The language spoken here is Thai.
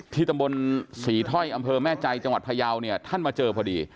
ตำบลศรีถ้อยอำเภอแม่ใจจังหวัดพยาวเนี่ยท่านมาเจอพอดี